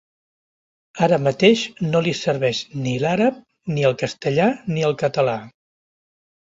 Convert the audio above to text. Ara mateix no li serveix ni l'àrab ni el castellà ni el català.